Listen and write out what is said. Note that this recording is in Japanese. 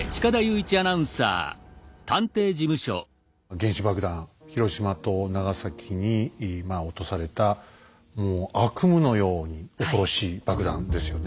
原子爆弾広島と長崎に落とされたもう悪夢のように恐ろしい爆弾ですよね。